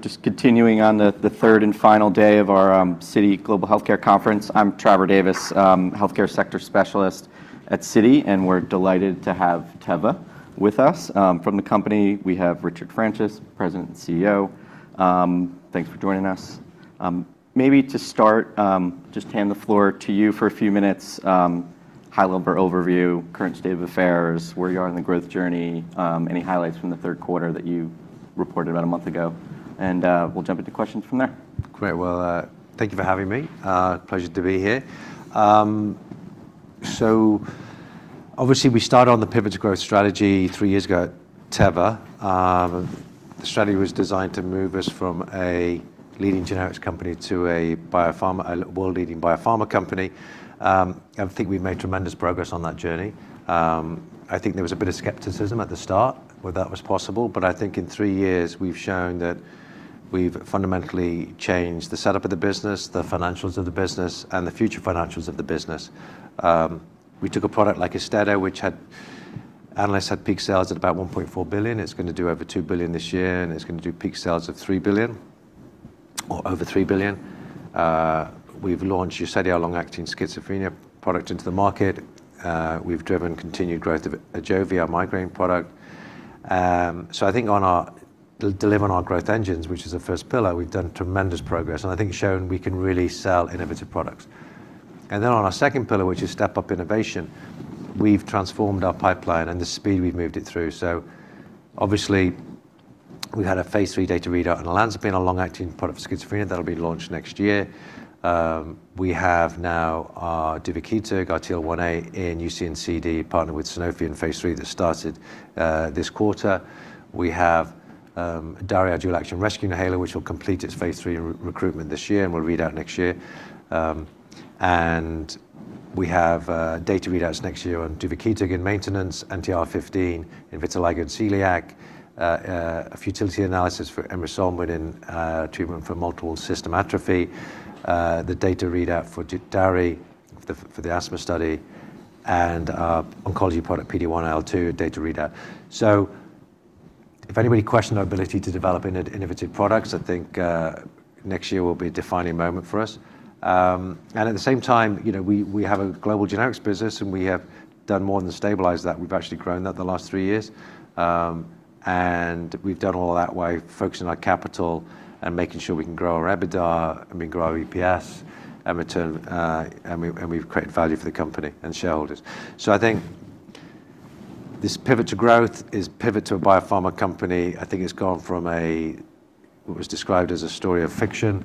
Just continuing on the third and final day of our Citi Global Healthcare Conference. I'm Traver Davis, Healthcare Sector Specialist at Citi, and we're delighted to have Teva with us. From the company, we have Richard Francis, President and CEO. Thanks for joining us. Maybe to start, just hand the floor to you for a few minutes. High level overview, current state of affairs, where you are in the growth journey, any highlights from the third quarter that you reported about a month ago, and we'll jump into questions from there. Great. Well, thank you for having me. Pleasure to be here. So obviously, we started on the Pivot to Growth strategy three years ago at Teva. The strategy was designed to move us from a leading generics company to a world-leading biopharma company. I think we've made tremendous progress on that journey. I think there was a bit of skepticism at the start whether that was possible, but I think in three years, we've shown that we've fundamentally changed the setup of the business, the financials of the business, and the future financials of the business. We took a product like AUSTEDO, which analysts had peak sales at about $1.4 billion. It's going to do over $2 billion this year, and it's going to do peak sales of $3 billion or over $3 billion. We've launched UZEDY long-acting schizophrenia product into the market. We've driven continued growth of AJOVY, our migraine product. So I think on our delivering our growth engines, which is the first pillar, we've done tremendous progress, and I think shown we can really sell innovative products. And then on our second pillar, which is Step Up Innovation, we've transformed our pipeline and the speed we've moved it through. So obviously, we had a phase III data readout on olanzapine, a long-acting product for schizophrenia that'll be launched next year. We have now our duvakitug TL1A in UC and CD partnered with Sanofi in phase III that started this quarter. We have DARI dual-action rescue inhaler, which will complete its phase III recruitment this year and will read out next year. And we have data readouts next year on duvakitug in maintenance, anti-IL-15 in vitiligo and celiac, a futility analysis for TEV-56286 in treatment for multiple system atrophy, the data readout for DARI for the asthma study, and our oncology product PD-1/IL-2 data readout. So if anybody questioned our ability to develop innovative products, I think next year will be a defining moment for us. And at the same time, we have a global generics business, and we have done more than stabilize that. We've actually grown that the last three years. And we've done all of that by focusing on our capital and making sure we can grow our EBITDA and we can grow our EPS, and we've created value for the company and shareholders. So I think this Pivot to Growth is pivot to a biopharma company. I think it's gone from what was described as a story of fiction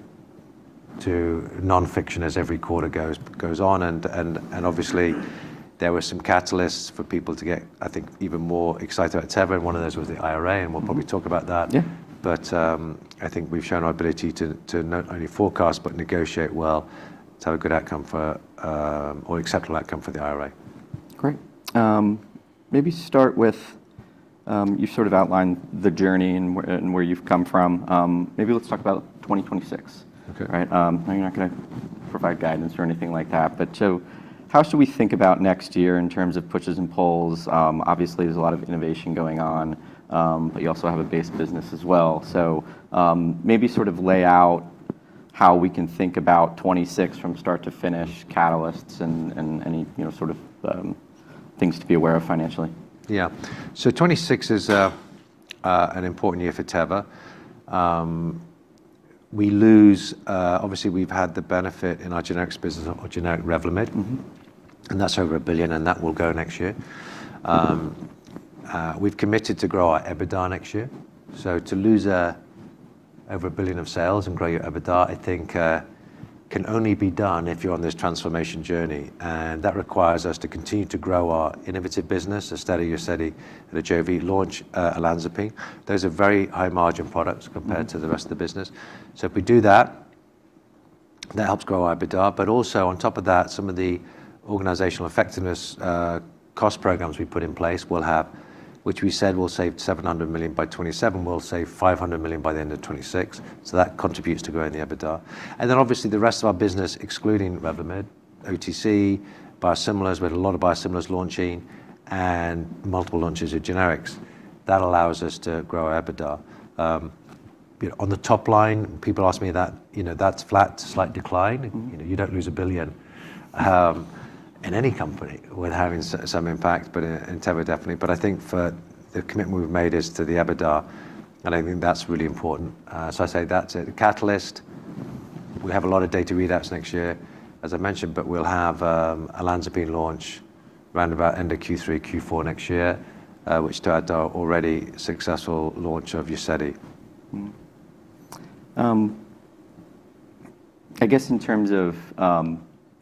to nonfiction as every quarter goes on. And obviously, there were some catalysts for people to get, I think, even more excited about Teva. And one of those was the IRA, and we'll probably talk about that. But I think we've shown our ability to not only forecast but negotiate well to have a good outcome, or acceptable outcome, for the IRA. Great. Maybe start with you've sort of outlined the journey and where you've come from. Maybe let's talk about 2026, right? I'm not going to provide guidance or anything like that. But so how should we think about next year in terms of pushes and pulls? Obviously, there's a lot of innovation going on, but you also have a base business as well. So maybe sort of lay out how we can think about 2026 from start to finish, catalysts and any sort of things to be aware of financially. Yeah. So 2026 is an important year for Teva. We lose obviously. We've had the benefit in our generics business of generic Revlimid, and that's over a billion, and that will go next year. We've committed to grow our EBITDA next year. So to lose over a billion of sales and grow your EBITDA, I think can only be done if you're on this transformation journey. And that requires us to continue to grow our innovative business, AUSTEDO, UZEDY, and AJOVY, launch olanzapine. Those are very high-margin products compared to the rest of the business. So if we do that, that helps grow our EBITDA. But also on top of that, some of the organizational effectiveness cost programs we put in place will have, which we said will save $700 million by 2027, will save $500 million by the end of 2026. So that contributes to growing the EBITDA. Obviously, the rest of our business, excluding Revlimid, OTC, biosimilars, we had a lot of biosimilars launching and multiple launches of generics. That allows us to grow our EBITDA. On the top line, people ask me that that's flat, slight decline. You don't lose $1 billion in any company without having some impact, but in Teva definitely. But I think for the commitment we've made as to the EBITDA, and I think that's really important. I say that's a catalyst. We have a lot of data readouts next year, as I mentioned, but we'll have olanzapine launch around end of Q3, Q4 next year, which starts our already successful launch of UZEDY. I guess in terms of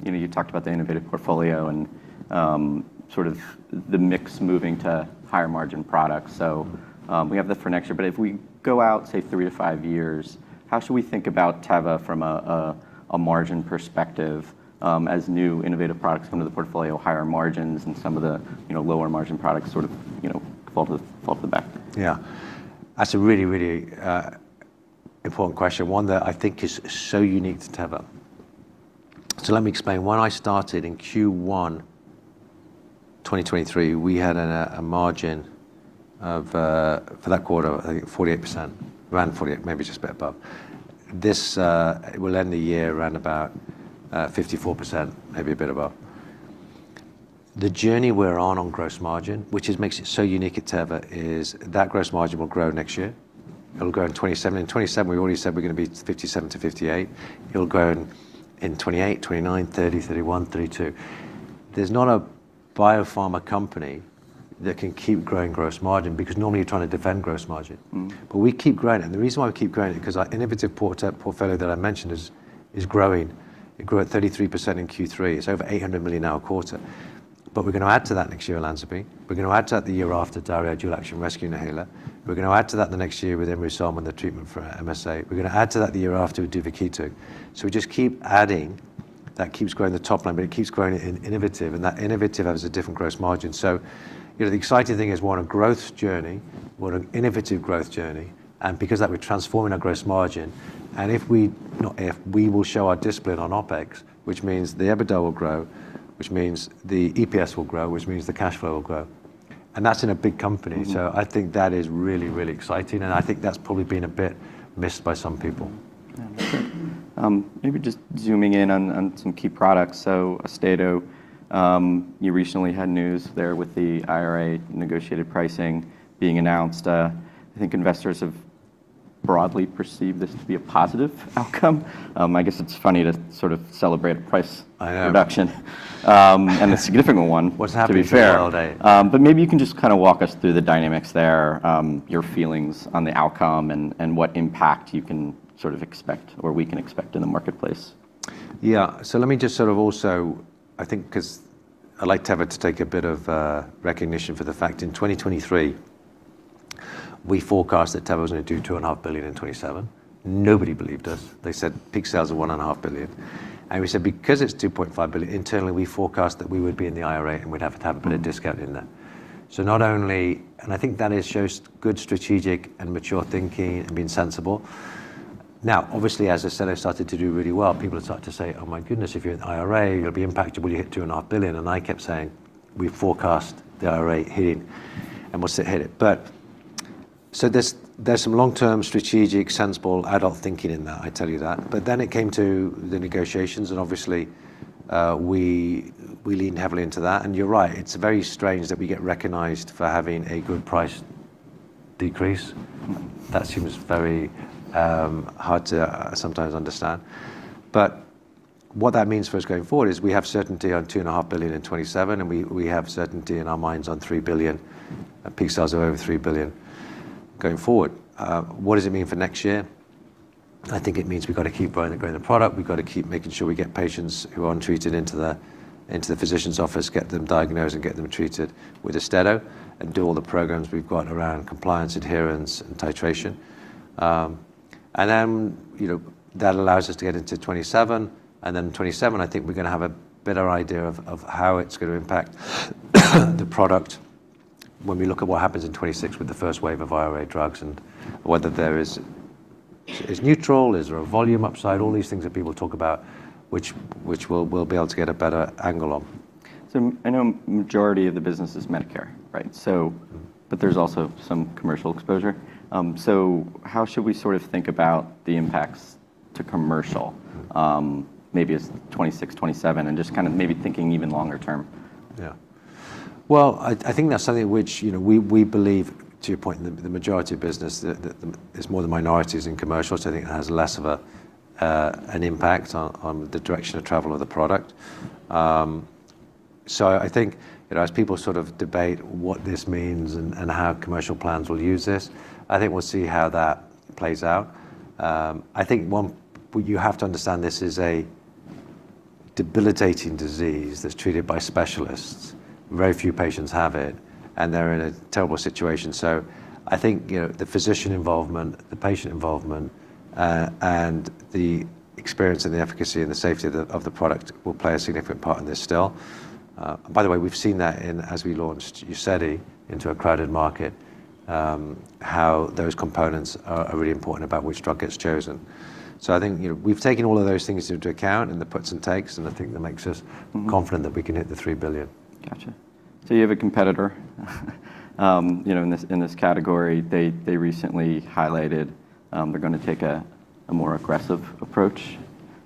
you talked about the innovative portfolio and sort of the mix moving to higher margin products. So we have this for next year. But if we go out, say, three to five years, how should we think about Teva from a margin perspective as new innovative products come to the portfolio, higher margins, and some of the lower margin products sort of fall to the back? Yeah. That's a really, really important question. One that I think is so unique to Teva. So let me explain. When I started in Q1 2023, we had a margin for that quarter, I think, 48%, around 48%, maybe just a bit above. This will end the year around about 54%, maybe a bit above. The journey we're on gross margin, which makes it so unique at Teva, is that gross margin will grow next year. It'll grow in 2027. In 2027, we already said we're going to be 57% to 58%. It'll grow in 2028, 2029, 2030, 2031, 2032. There's not a biopharma company that can keep growing gross margin because normally you're trying to defend gross margin. But we keep growing it. And the reason why we keep growing it is because our innovative portfolio that I mentioned is growing. It grew at 33% in Q3. It's over $800 million now, a quarter. But we're going to add to that next year olanzapine. We're going to add to that the year after DARI dual-action rescue inhaler. We're going to add to that the next year with TEV-56286 and the treatment for MSA. We're going to add to that the year after with duvakitug. So we just keep adding. That keeps growing the top line, but it keeps growing in innovative, and that innovative has a different gross margin. So the exciting thing is we're on a growth journey, we're on an innovative growth journey, and because that we're transforming our gross margin, and if we not if, we will show our discipline on OpEx, which means the EBITDA will grow, which means the EPS will grow, which means the cash flow will grow. And that's in a big company. So I think that is really, really exciting, and I think that's probably been a bit missed by some people. Maybe just zooming in on some key products. So AUSTEDO, you recently had news there with the IRA negotiated pricing being announced. I think investors have broadly perceived this to be a positive outcome. I guess it's funny to sort of celebrate a price reduction and a significant one. What's happening in the world. But maybe you can just kind of walk us through the dynamics there, your feelings on the outcome and what impact you can sort of expect or we can expect in the marketplace? Yeah. So let me just sort of also, I think because I like Teva to take a bit of recognition for the fact in 2023, we forecast that Teva was going to do $2.5 billion in 2027. Nobody believed us. They said peak sales are $1.5 billion. And we said because it's $2.5 billion, internally we forecast that we would be in the IRA and we'd have to have a bit of discount in there. So not only, and I think that shows good strategic and mature thinking and being sensible. Now, obviously, as AUSTEDO started to do really well, people have started to say, "Oh my goodness, if you're in the IRA, you'll be impacted when you hit $2.5 billion." And I kept saying, "We forecast the IRA hitting and we'll sit here." But so there's some long-term strategic sensible adult thinking in that, I tell you that. But then it came to the negotiations, and obviously, we lean heavily into that. And you're right, it's very strange that we get recognized for having a good price decrease. That seems very hard to sometimes understand. But what that means for us going forward is we have certainty on $2.5 billion in 2027, and we have certainty in our minds on $3 billion, peak sales of over $3 billion going forward. What does it mean for next year? I think it means we've got to keep growing the product. We've got to keep making sure we get patients who aren't treated into the physician's office, get them diagnosed and get them treated with AUSTEDO, and do all the programs we've got around compliance, adherence, and titration. And then that allows us to get into 2027. And then 2027, I think we're going to have a better idea of how it's going to impact the product when we look at what happens in 2026 with the first wave of IRA drugs and whether there is neutral, is there a volume upside, all these things that people talk about, which we'll be able to get a better angle on. So I know majority of the business is Medicare, right? But there's also some commercial exposure. So how should we sort of think about the impacts to commercial maybe as 2026, 2027, and just kind of maybe thinking even longer term? Yeah. Well, I think that's something which we believe, to your point, the majority of business, there's more to the minorities in commercials. I think it has less of an impact on the direction of travel of the product. So I think as people sort of debate what this means and how commercial plans will use this, I think we'll see how that plays out. I think you have to understand this is a debilitating disease that's treated by specialists. Very few patients have it, and they're in a terrible situation. So I think the physician involvement, the patient involvement, and the experience and the efficacy and the safety of the product will play a significant part in this still. By the way, we've seen that in, as we launched UZEDY into a crowded market, how those components are really important about which drug gets chosen. So I think we've taken all of those things into account and the puts and takes, and I think that makes us confident that we can hit the $3 billion. Gotcha. So you have a competitor in this category. They recently highlighted they're going to take a more aggressive approach.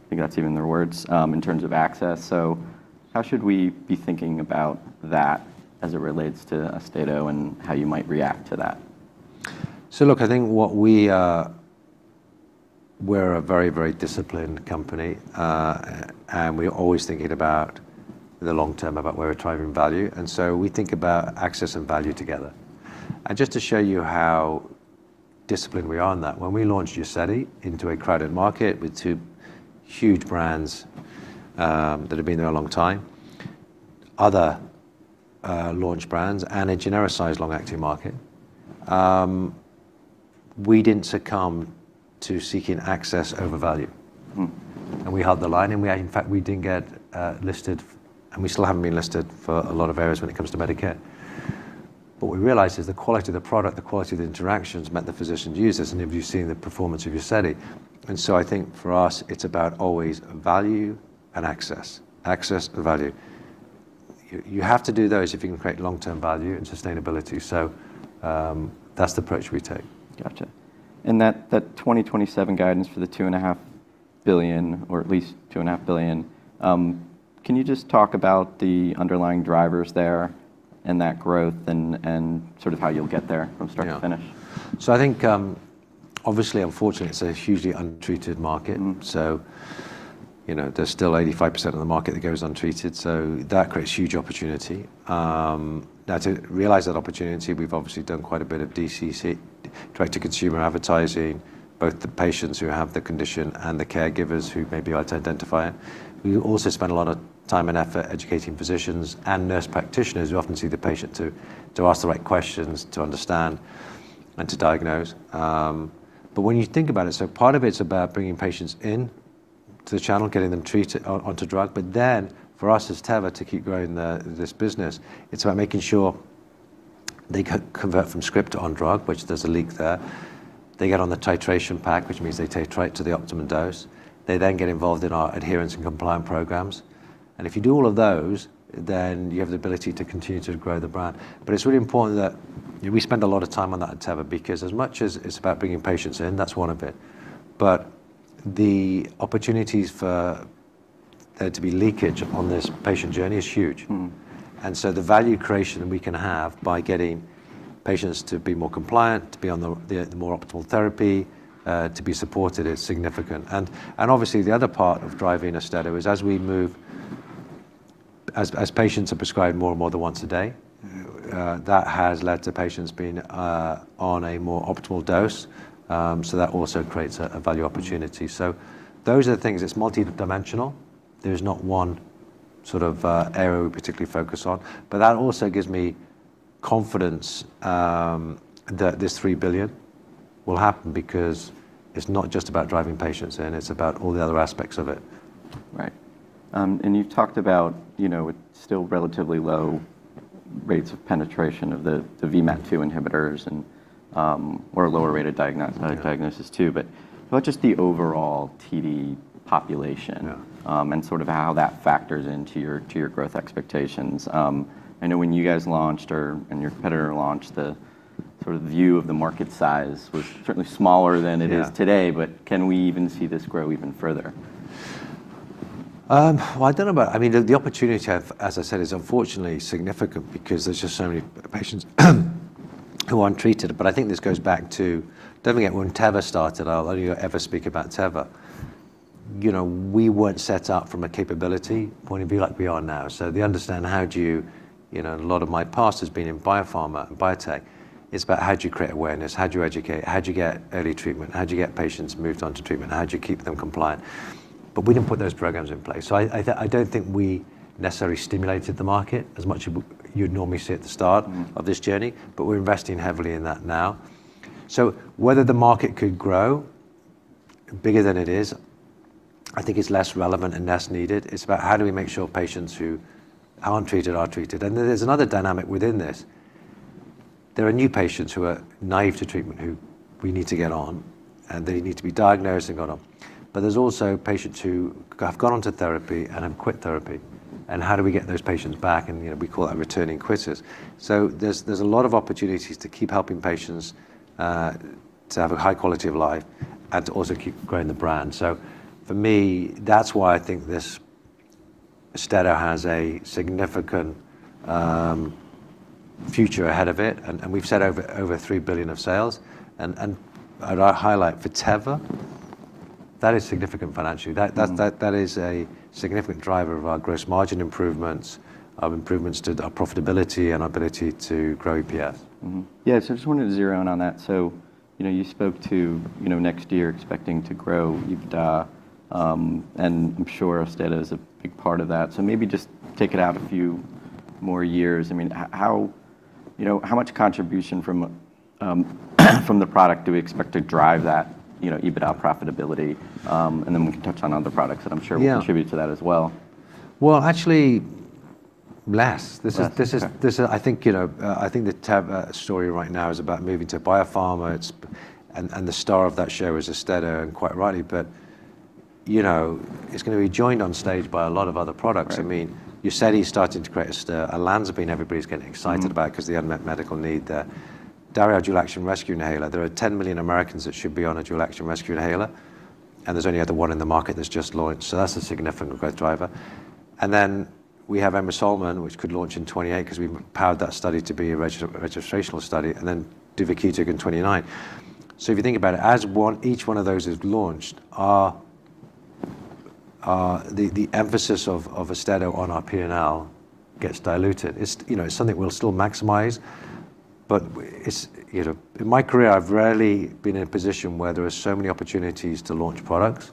I think that's even their words in terms of access. So how should we be thinking about that as it relates to AUSTEDO and how you might react to that? So look, I think we're a very, very disciplined company, and we're always thinking about the long term about where we're driving value. And so we think about access and value together. And just to show you how disciplined we are in that, when we launched UZEDY into a crowded market with two huge brands that have been there a long time, other launch brands, and a genericized long-acting market, we didn't succumb to seeking access over value. And we held the line, and in fact, we didn't get listed, and we still haven't been listed for a lot of areas when it comes to Medicare. But what we realized is the quality of the product, the quality of the interactions meant the physicians use this, and if you've seen the performance of UZEDY. And so I think for us, it's about always value and access, access and value. You have to do those if you can create long-term value and sustainability. So that's the approach we take. Gotcha, and that 2027 guidance for the $2.5 billion, or at least $2.5 billion, can you just talk about the underlying drivers there and that growth and sort of how you'll get there from start to finish? Yeah. So I think obviously, unfortunately, it's a hugely untreated market. So there's still 85% of the market that goes untreated. So that creates huge opportunity. Now, to realize that opportunity, we've obviously done quite a bit of DTC, direct-to-consumer advertising, both the patients who have the condition and the caregivers who may be able to identify it. We also spend a lot of time and effort educating physicians and nurse practitioners who often see the patient to ask the right questions, to understand, and to diagnose. But when you think about it, so part of it's about bringing patients into the channel, getting them treated onto drug. But then for us as Teva to keep growing this business, it's about making sure they convert from script on drug, which there's a leak there. They get on the titration pack, which means they titrate to the optimum dose. They then get involved in our adherence and compliance programs, and if you do all of those, then you have the ability to continue to grow the brand. But it's really important that we spend a lot of time on that at Teva because as much as it's about bringing patients in, that's one of it. But the opportunities for there to be leakage on this patient journey is huge, and so the value creation we can have by getting patients to be more compliant, to be on the more optimal therapy, to be supported is significant. And obviously, the other part of driving AUSTEDO is as we move, as patients are prescribed more and more than once a day, that has led to patients being on a more optimal dose. So that also creates a value opportunity. So those are the things. It's multidimensional. There is not one sort of area we particularly focus on, but that also gives me confidence that this $3 billion will happen because it's not just about driving patients in. It's about all the other aspects of it. Right. And you've talked about still relatively low rates of penetration of the VMAT2 inhibitors or a lower rate of diagnosis too. But about just the overall TD population and sort of how that factors into your growth expectations. I know when you guys launched or when your competitor launched, the sort of view of the market size was certainly smaller than it is today. But can we even see this grow even further? I don't know about, I mean, the opportunity to have, as I said, is unfortunately significant because there's just so many patients who aren't treated. But I think this goes back to, don't forget, when Teva started. I'll only ever speak about Teva. We weren't set up from a capability point of view like we are now. So the understanding of how do you, a lot of my past has been in biopharma and biotech. It's about how do you create awareness, how do you educate, how do you get early treatment, how do you get patients moved on to treatment, how do you keep them compliant. But we didn't put those programs in place. So I don't think we necessarily stimulated the market as much as you'd normally see at the start of this journey. But we're investing heavily in that now. So whether the market could grow bigger than it is, I think it's less relevant and less needed. It's about how do we make sure patients who aren't treated are treated. And there's another dynamic within this. There are new patients who are naive to treatment who we need to get on, and they need to be diagnosed and got on. But there's also patients who have gone on to therapy and have quit therapy. And how do we get those patients back? And we call that returning quitters. So there's a lot of opportunities to keep helping patients to have a high quality of life and to also keep growing the brand. So for me, that's why I think this AUSTEDO has a significant future ahead of it. And we've said over $3 billion of sales. And I'd highlight for Teva, that is significant financially. That is a significant driver of our gross margin improvements, our improvements to our profitability, and our ability to grow EPS. Yeah. So I just wanted to zero in on that. So you spoke to next year expecting to grow EBITDA, and I'm sure AUSTEDO is a big part of that. So maybe just take it out a few more years. I mean, how much contribution from the product do we expect to drive that EBITDA profitability? And then we can touch on other products that I'm sure will contribute to that as well. Well, actually, less. I think the Teva story right now is about moving to biopharma, and the star of that show is AUSTEDO, and quite rightly. But it's going to be joined on stage by a lot of other products. I mean, UZEDY is starting to create a buzz everybody's getting excited about because of the unmet medical need there. DARI Dual Action Rescue Inhaler, there are 10 million Americans that should be on a Dual Action Rescue Inhaler, and there's only either one in the market that's just launched. So that's a significant growth driver, and then we have emrysulmide, which could launch in 2028 because we've powered that study to be a registrational study, and then duvakitug in 2029. So if you think about it, as each one of those is launched, the emphasis of AUSTEDO on our P&L gets diluted. It's something we'll still maximize. But in my career, I've rarely been in a position where there are so many opportunities to launch products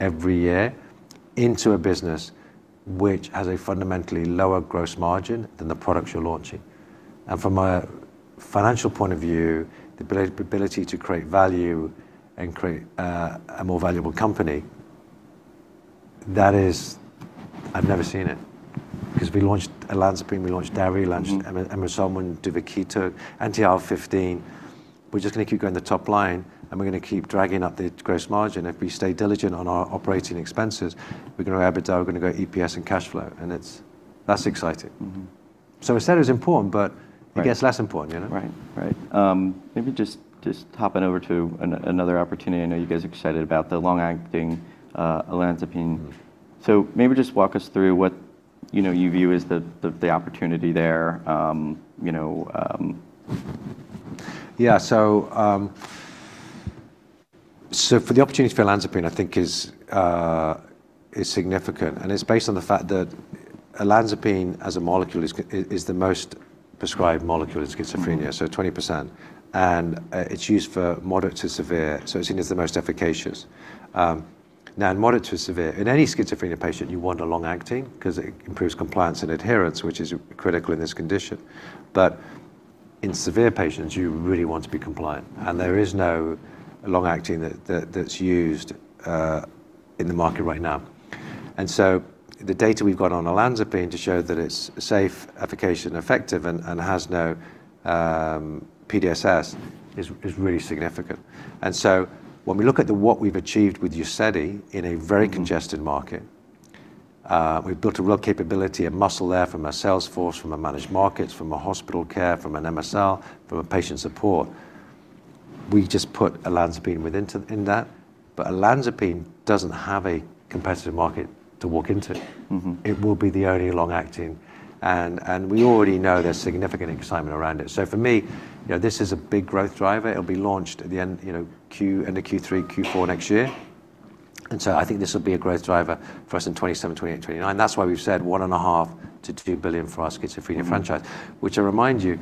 every year into a business which has a fundamentally lower gross margin than the products you're launching. And from a financial point of view, the ability to create value and create a more valuable company, that is, I've never seen it. Because we launched a Lansbury, we launched DARI, we launched emrysulmide, duvakitug, anti-IL-15. We're just going to keep going the top line, and we're going to keep dragging up the gross margin. If we stay diligent on our operating expenses, we're going to go EBITDA, we're going to go EPS and cash flow. And that's exciting. So AUSTEDO is important, but it gets less important. Right. Right. Maybe just hopping over to another opportunity. I know you guys are excited about the long-acting olanzapine. So maybe just walk us through what you view as the opportunity there. Yeah, so for the opportunity for olanzapine, I think is significant, and it's based on the fact that olanzapine as a molecule is the most prescribed molecule in schizophrenia, so 20%, and it's used for moderate to severe, so it's seen as the most efficacious. Now, in moderate to severe, in any schizophrenia patient, you want a long-acting because it improves compliance and adherence, which is critical in this condition, but in severe patients, you really want to be compliant, and there is no long-acting that's used in the market right now, so the data we've got on olanzapine to show that it's safe, efficacious, and effective, and has no PDSS is really significant. When we look at what we've achieved with UZEDY in a very congested market, we've built a real capability and muscle there from our sales force, from our managed markets, from our hospital care, from an MSL, from a patient support. We just put olanzapine within that. olanzapine doesn't have a competitive market to walk into. It will be the only long-acting. We already know there's significant excitement around it. For me, this is a big growth driver. It'll be launched at the end of Q3, Q4 next year. I think this will be a growth driver for us in 2027, 2028, 2029. That's why we've said $1.5 billion to $2 billion for our schizophrenia franchise, which I remind you,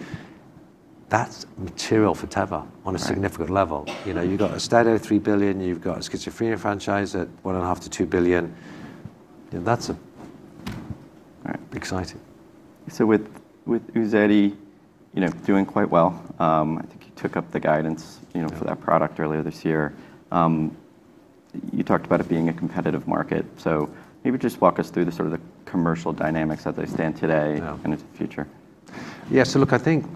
that's material for Teva on a significant level. You've got AUSTEDO, $3 billion. You've got schizophrenia franchise at $1.5 billion to $2 billion. That's exciting. With UZEDY doing quite well, I think you took up the guidance for that product earlier this year. You talked about it being a competitive market. Maybe just walk us through the sort of commercial dynamics as they stand today and into the future. Yeah. So look, I think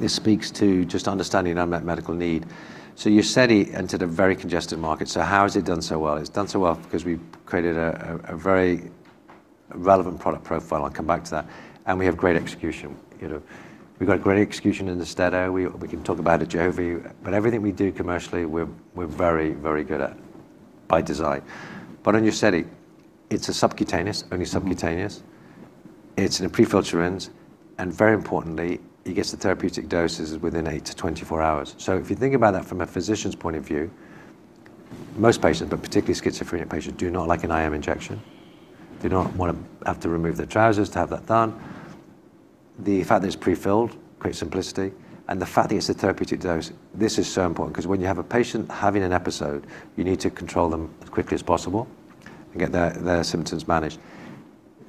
this speaks to just understanding unmet medical need. So UZEDY entered a very congested market. So how has it done so well? It's done so well because we've created a very relevant product profile. I'll come back to that. And we have great execution. We've got great execution in AUSTEDO. We can talk about it over. But everything we do commercially, we're very, very good at by design. But on UZEDY, it's a subcutaneous, only subcutaneous. It's in a prefilled syringe. And very importantly, it gets the therapeutic doses within eight to 24 hours. So if you think about that from a physician's point of view, most patients, but particularly schizophrenia patients, do not like an IM injection. They don't want to have to remove their trousers to have that done. The fact that it's prefilled creates simplicity. And the fact that it's a therapeutic dose, this is so important because when you have a patient having an episode, you need to control them as quickly as possible and get their symptoms managed.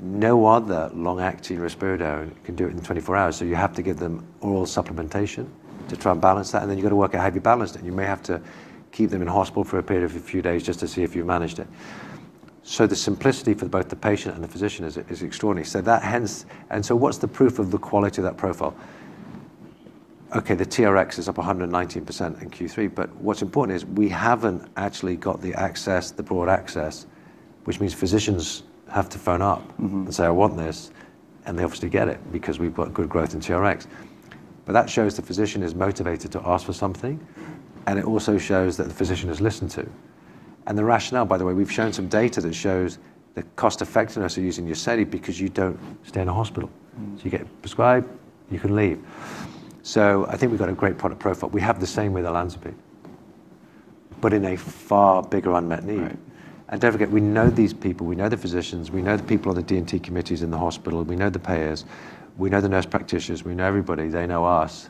No other long-acting risperidone can do it in 24 hours. So you have to give them oral supplementation to try and balance that. And then you've got to work at how you balance it. And you may have to keep them in hospital for a period of a few days just to see if you've managed it. So the simplicity for both the patient and the physician is extraordinary. And so what's the proof of the quality of that profile? Okay, the TRx is up 119% in Q3. But what's important is we haven't actually got the access, the broad access, which means physicians have to phone up and say, "I want this." And they obviously get it because we've got good growth in TRx. But that shows the physician is motivated to ask for something. And it also shows that the physician is listened to. And the rationale, by the way, we've shown some data that shows the cost-effectiveness of using UZEDY because you don't stay in a hospital. So you get prescribed, you can leave. So I think we've got a great product profile. We have the same with olanzapine, but in a far bigger unmet need. And don't forget, we know these people. We know the physicians. We know the people on the D&T committees in the hospital. We know the payers. We know the nurse practitioners. We know everybody. They know us.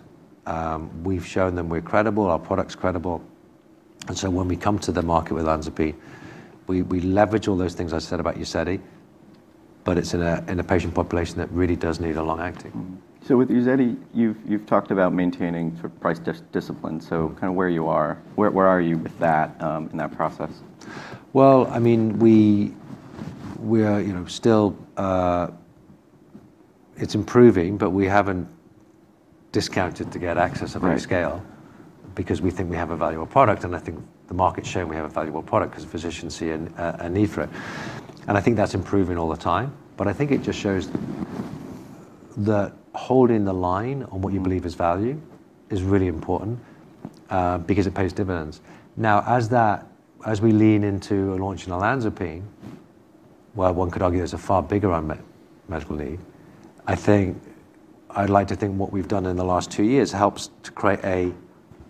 We've shown them we're credible. Our product's credible, and so when we come to the market with olanzapine, we leverage all those things I said about UZEDY, but it's in a patient population that really does need a long-acting. So with UZEDY, you've talked about maintaining price discipline. So kind of where you are, where are you with that in that process? I mean, we are still. It's improving, but we haven't discounted to get access at that scale because we think we have a valuable product. And I think the market's showing we have a valuable product because physicians see a need for it. And I think that's improving all the time. But I think it just shows that holding the line on what you believe is value is really important because it pays dividends. Now, as we lean into launching olanzapine, where one could argue there's a far bigger unmet medical need, I think I'd like to think what we've done in the last two years helps to create a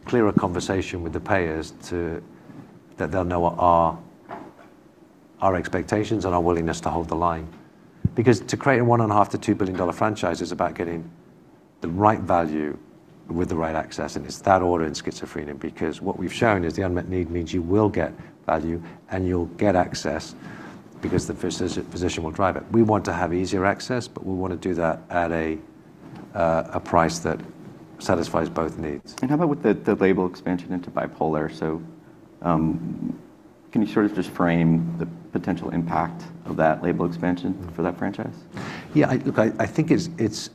clearer conversation with the payers that they'll know our expectations and our willingness to hold the line. Because to create a $1.5 billion to $2 billion franchise is about getting the right value with the right access. And it's that order in schizophrenia because what we've shown is the unmet need means you will get value and you'll get access because the physician will drive it. We want to have easier access, but we want to do that at a price that satisfies both needs. How about with the label expansion into bipolar? Can you sort of just frame the potential impact of that label expansion for that franchise? Yeah. Look, I think it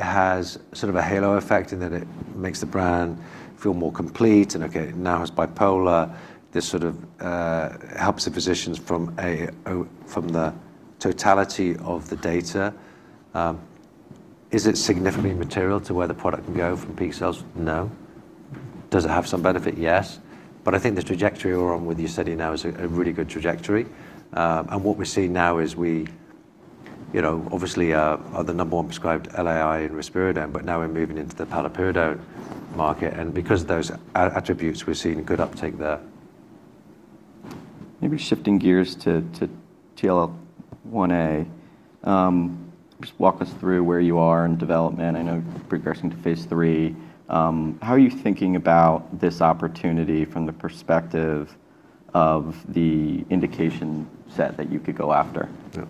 has sort of a halo effect in that it makes the brand feel more complete. And okay, now it's bipolar. This sort of helps the physicians from the totality of the data. Is it significantly material to where the product can go from peak sales? No. Does it have some benefit? Yes. But I think the trajectory we're on with UZEDY now is a really good trajectory. And what we're seeing now is we obviously are the number one prescribed LAI and risperidone, but now we're moving into the paliperidone market. And because of those attributes, we've seen good uptake there. Maybe shifting gears to TL1A, just walk us through where you are in development. I know you're progressing to phase III. How are you thinking about this opportunity from the perspective of the indication set that you could go after? Yeah.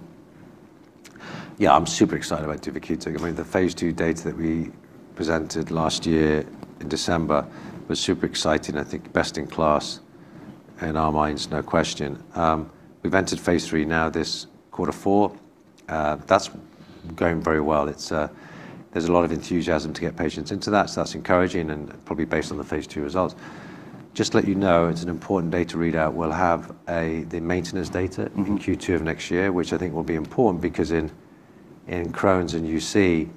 Yeah, I'm super excited about duvakitug. I mean, the phase II data that we presented last year in December was super exciting. I think best in class in our minds, no question. We've entered phase III now this quarter four. That's going very well. There's a lot of enthusiasm to get patients into that. So that's encouraging and probably based on the phase II results. Just to let you know, it's an important data readout. We'll have the maintenance data in Q2 of next year, which I think will be important because in Crohn's and UC,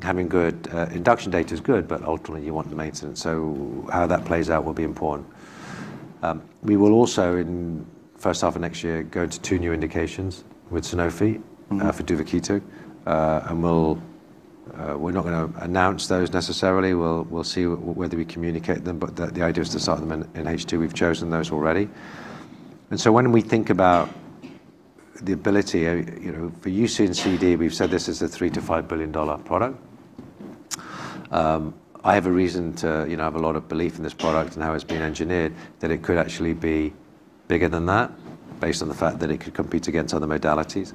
having good induction data is good, but ultimately you want the maintenance. So how that plays out will be important. We will also, first half of next year, go into two new indications with Sanofi for duvakitug. We're not going to announce those necessarily. We'll see whether we communicate them. But the idea is to start them in H2. We've chosen those already. And so when we think about the ability for UC and CD, we've said this is a $3 billion to $5 billion product. I have a reason to have a lot of belief in this product and how it's been engineered that it could actually be bigger than that based on the fact that it could compete against other modalities.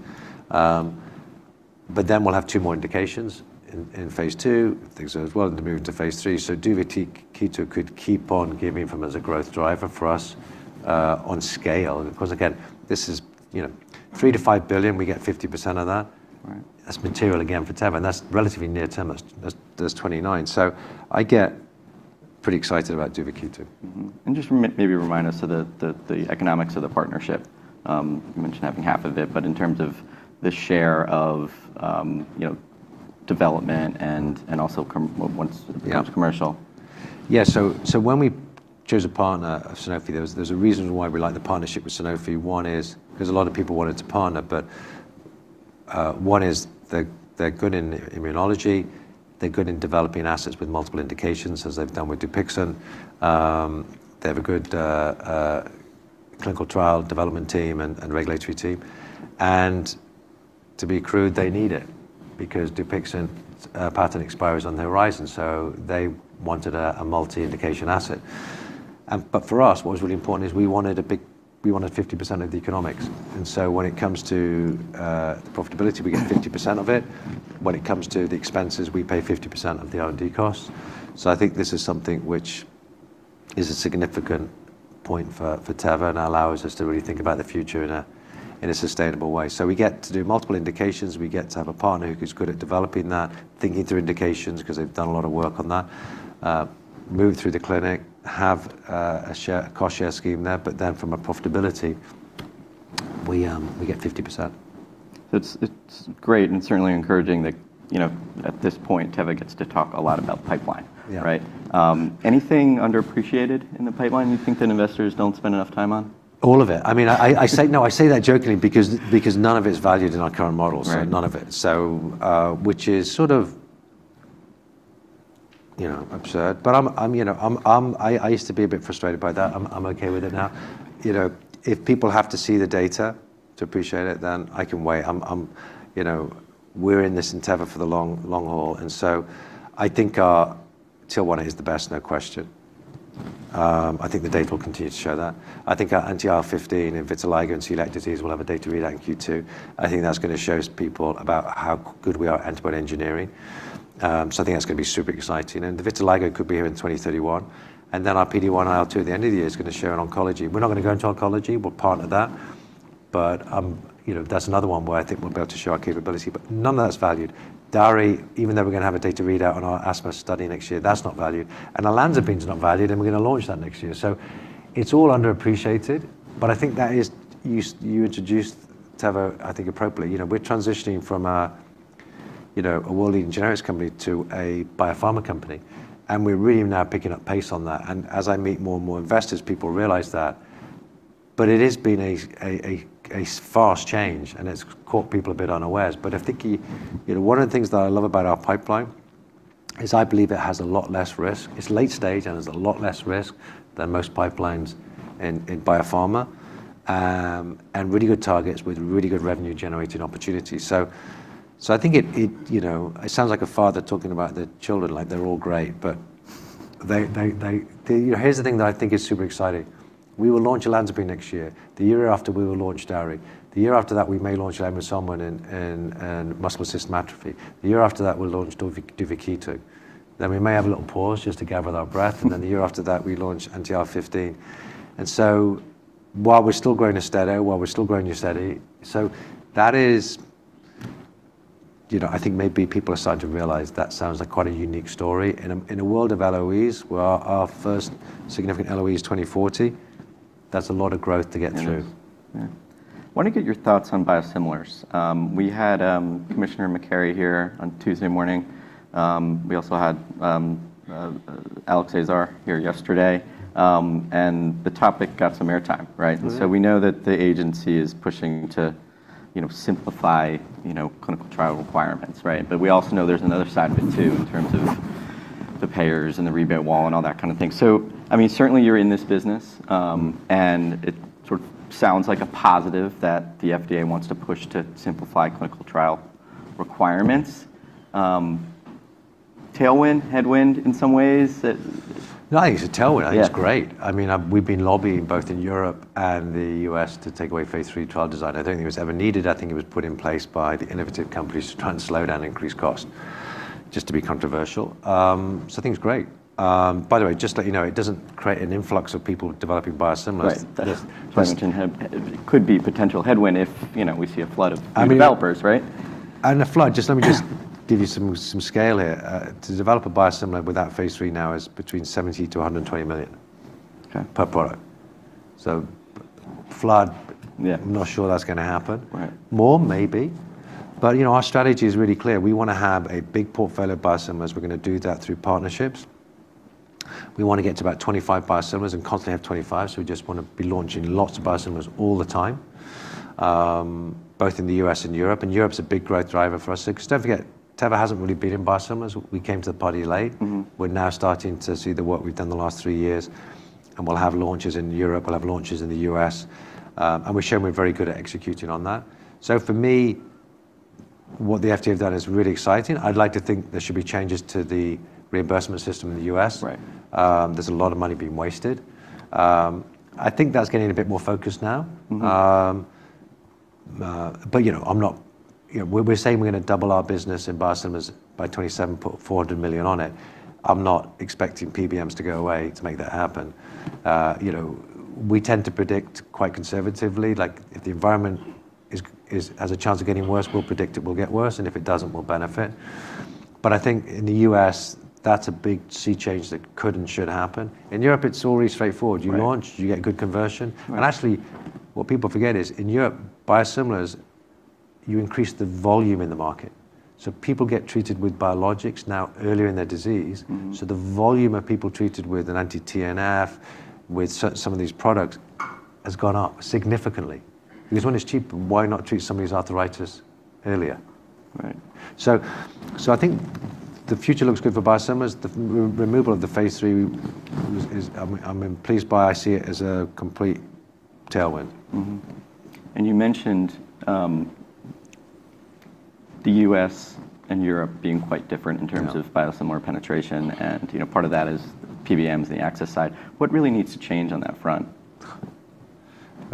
But then we'll have two more indications in phase II. Things are as well to move into phase III. So duvakitug could keep on giving as a growth driver for us on scale. Because again, this is $3 billion to $5 billion. We get 50% of that. That's material again for Teva. And that's relatively near term. That's 2029. So I get pretty excited about duvakitug. Just maybe remind us of the economics of the partnership. You mentioned having half of it, but in terms of the share of development and also once it becomes commercial. Yeah. So when we chose a partner of Sanofi, there's a reason why we like the partnership with Sanofi. One is because a lot of people wanted to partner, but one is they're good in immunology. They're good in developing assets with multiple indications as they've done with Dupixent. They have a good clinical trial development team and regulatory team. And to be crude, they need it because Dupixent's patent expires on the horizon. So they wanted a multi-indication asset. But for us, what was really important is we wanted 50% of the economics. And so when it comes to profitability, we get 50% of it. When it comes to the expenses, we pay 50% of the R&D costs. So I think this is something which is a significant point for Teva and allows us to really think about the future in a sustainable way. So we get to do multiple indications. We get to have a partner who is good at developing that, thinking through indications because they've done a lot of work on that, move through the clinic, have a cost share scheme there. But then from a profitability, we get 50%. So it's great and certainly encouraging that at this point, Teva gets to talk a lot about pipeline, right? Anything underappreciated in the pipeline you think that investors don't spend enough time on? All of it. I mean, I say that jokingly because none of it's valued in our current models. None of it, which is sort of absurd. But I used to be a bit frustrated by that. I'm okay with it now. If people have to see the data to appreciate it, then I can wait. We're in this in Teva for the long haul. And so I think TL1A is the best, no question. I think the data will continue to show that. I think our anti-IL-15 and vitiligo and celiac disease will have a data readout in Q2. I think that's going to show people about how good we are at antibody engineering. So I think that's going to be super exciting. And the vitiligo could be here in 2031. And then our PD‑1/IL‑2 at the end of the year is going to show in oncology. We're not going to go into oncology. We'll partner that. But that's another one where I think we'll be able to show our capability. But none of that's valued. DARI, even though we're going to have a data readout on our asthma study next year, that's not valued. And olanzapine is not valued. And we're going to launch that next year. So it's all underappreciated. But I think that is you introduced Teva, I think, appropriately. We're transitioning from a world-leading generics company to a biopharma company. And we're really now picking up pace on that. And as I meet more and more investors, people realize that. But it has been a fast change. And it's caught people a bit unawares. But I think one of the things that I love about our pipeline is I believe it has a lot less risk. It's late stage. And it's a lot less risk than most pipelines in biopharma and really good targets with really good revenue-generating opportunities. So I think it sounds like a father talking about the children. Like they're all great. But here's the thing that I think is super exciting. We will launch olanzapine next year. The year after we will launch DARI. The year after that, we may launch TEV-56286 and multiple system atrophy. The year after that, we'll launch duvakitug. Then we may have a little pause just to gather our breath. And then the year after that, we launch NTR15. And so while we're still growing AUSTEDO, while we're still growing UZEDY, so that is I think maybe people are starting to realize that sounds like quite a unique story. In a world of LOEs where our first significant LOE is 2040. That's a lot of growth to get through. Yeah. I want to get your thoughts on biosimilars. We had Commissioner Califf here on Tuesday morning. We also had Alex Azar here yesterday. And the topic got some airtime, right? And so we know that the agency is pushing to simplify clinical trial requirements, right? But we also know there's another side of it too in terms of the payers and the rebate wall and all that kind of thing. So I mean, certainly you're in this business. And it sort of sounds like a positive that the FDA wants to push to simplify clinical trial requirements. Tailwind, headwind in some ways? No, I think it's a tailwind. I think it's great. I mean, we've been lobbying both in Europe and the U.S. to take away phase III trial design. I don't think it was ever needed. I think it was put in place by the innovative companies to try and slow down and increase cost, just to be controversial. So I think it's great. By the way, just to let you know, it doesn't create an influx of people developing biosimilars. Right. That's interesting. It could be a potential headwind if we see a flood of developers, right? And a flood. Just let me just give you some scale here. To develop a biosimilar without phase III now is between $70 million to $120 million per product. So flood, I'm not sure that's going to happen. More, maybe. But our strategy is really clear. We want to have a big portfolio of biosimilars. We're going to do that through partnerships. We want to get to about 25 biosimilars and constantly have 25. So we just want to be launching lots of biosimilars all the time, both in the U.S. and Europe. And Europe's a big growth driver for us. Because don't forget, Teva hasn't really been in biosimilars. We came to the party late. We're now starting to see the work we've done the last three years. And we'll have launches in Europe. We'll have launches in the U.S. And we're showing we're very good at executing on that. For me, what the FDA have done is really exciting. I'd like to think there should be changes to the reimbursement system in the U.S. There's a lot of money being wasted. I think that's getting a bit more focused now. But I'm not, we're saying we're going to double our business in biosimilars by 2027, $400 million on it. I'm not expecting PBMs to go away to make that happen. We tend to predict quite conservatively. Like if the environment has a chance of getting worse, we'll predict it will get worse. And if it doesn't, we'll benefit. But I think in the U.S., that's a big sea change that could and should happen. In Europe, it's all really straightforward. You launch, you get good conversion. And actually, what people forget is in Europe, biosimilars, you increase the volume in the market. So people get treated with biologics now earlier in their disease. So the volume of people treated with an anti-TNF, with some of these products has gone up significantly. Because when it's cheap, why not treat somebody's arthritis earlier? So I think the future looks good for biosimilars. The removal of the phase III is. I'm pleased by. I see it as a complete tailwind. You mentioned the U.S. and Europe being quite different in terms of biosimilar penetration. And part of that is PBMs and the access side. What really needs to change on that front?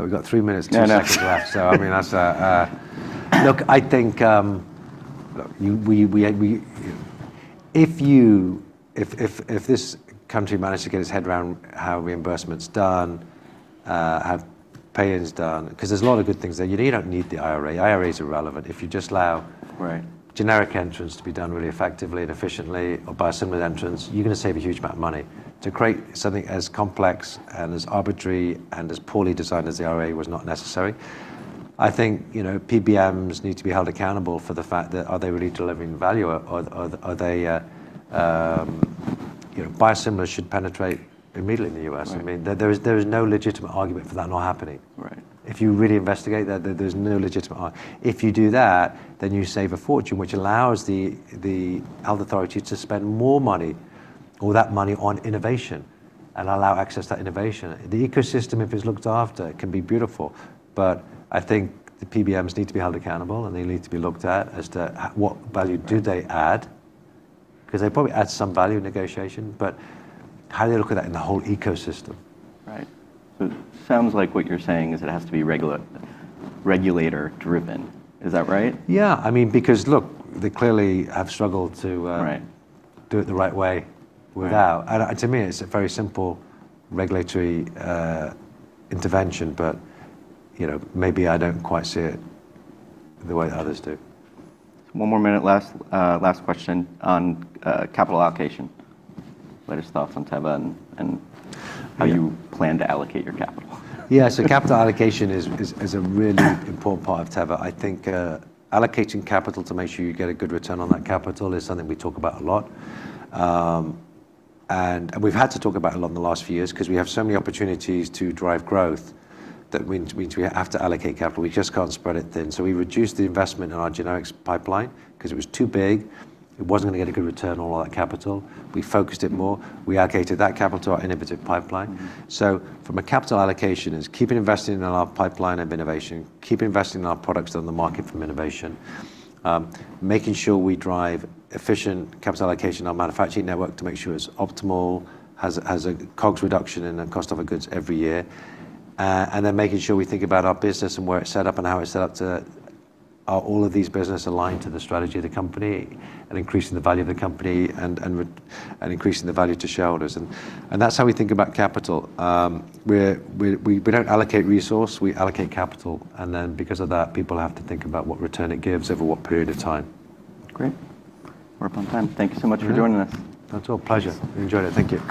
We've got three minutes, two seconds left. So I mean, look, I think if this country manages to get its head around how reimbursement's done, how paying's done, because there's a lot of good things there. You don't need the IRA. IRAs are relevant. If you just allow generic entrance to be done really effectively and efficiently or biosimilar entrance, you're going to save a huge amount of money. To create something as complex and as arbitrary and as poorly designed as the IRA was not necessary. I think PBMs need to be held accountable for the fact that are they really delivering value or are they biosimilars should penetrate immediately in the U.S. I mean, there is no legitimate argument for that not happening. If you really investigate that, there's no legitimate argument. If you do that, then you save a fortune, which allows the health authority to spend more money or that money on innovation and allow access to that innovation. The ecosystem, if it's looked after, can be beautiful. But I think the PBMs need to be held accountable. And they need to be looked at as to what value do they add? Because they probably add some value in negotiation. But how do they look at that in the whole ecosystem? Right. So it sounds like what you're saying is it has to be regulator-driven. Is that right? Yeah. I mean, because look, they clearly have struggled to do it the right way without, and to me, it's a very simple regulatory intervention, but maybe I don't quite see it the way others do. One more minute left. Last question on capital allocation. Latest thoughts on Teva and how you plan to allocate your capital? Yeah, so capital allocation is a really important part of Teva. I think allocating capital to make sure you get a good return on that capital is something we talk about a lot, and we've had to talk about it a lot in the last few years because we have so many opportunities to drive growth that means we have to allocate capital. We just can't spread it thin, so we reduced the investment in our generics pipeline because it was too big. It wasn't going to get a good return on all that capital. We focused it more. We allocated that capital to our innovative pipeline. From a capital allocation, it's keeping investing in our pipeline of innovation, keeping investing in our products on the market from innovation, making sure we drive efficient capital allocation in our manufacturing network to make sure it's optimal, has a COGS reduction in the cost of our goods every year. Making sure we think about our business and where it's set up and how it's set up to all of these business align to the strategy of the company and increasing the value of the company and increasing the value to shareholders. That's how we think about capital. We don't allocate resource. We allocate capital. Because of that, people have to think about what return it gives over what period of time. Great. We're up on time. Thank you so much for joining us. It's all a pleasure. Enjoyed it. Thank you.